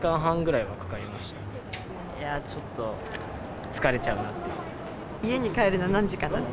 いやー、ちょっと疲れちゃうなって。